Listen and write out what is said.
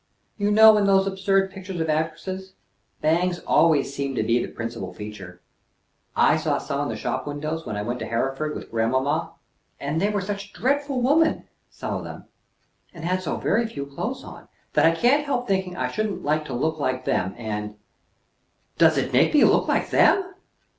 You know, in those absurd pictures of actresses, bangs always seem to be the principal feature. I saw some in the shop windows when I went to Harriford with grandmamma. And they were such dreadful women, some of them, and had so very few clothes on, that I can't help thinking I shouldn't like to look like them, and" "Does it make me look like them?"